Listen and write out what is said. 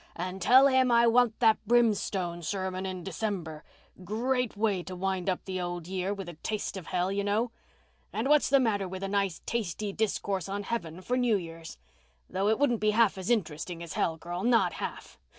And tell him I want that brimstone sermon in December. Great way to wind up the old year—with a taste of hell, you know. And what's the matter with a nice tasty discourse on heaven for New Year's? Though it wouldn't be half as interesting as hell, girl—not half.